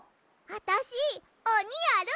あたしおにやる！